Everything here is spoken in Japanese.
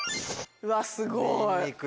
うわっすごい！